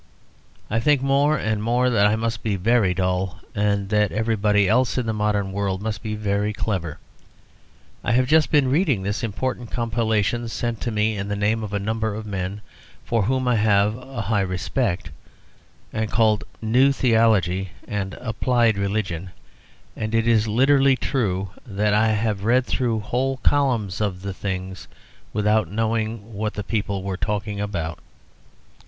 I think more and more that I must be very dull, and that everybody else in the modern world must be very clever. I have just been reading this important compilation, sent to me in the name of a number of men for whom I have a high respect, and called "New Theology and Applied Religion." And it is literally true that I have read through whole columns of the things without knowing what the people were talking about.